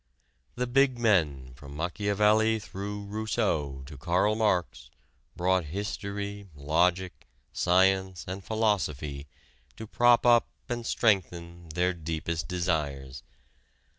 The big men from Machiavelli through Rousseau to Karl Marx brought history, logic, science and philosophy to prop up and strengthen their deepest desires.